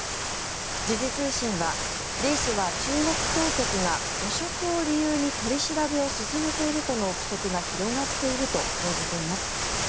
時事通信は、リ氏は中国当局が汚職を理由に取り調べを進めているとの臆測が広がっていると報じています。